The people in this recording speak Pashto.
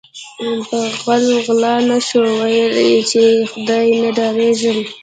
په غل غلا نشوه ویل یی چې ی خدای نه ډاریږم